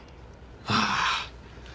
ああ。